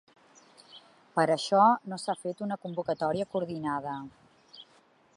Per això no s’ha fet una convocatòria coordinada.